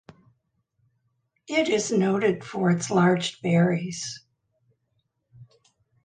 It is noted for its large berries.